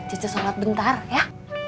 caca sholat bentar ya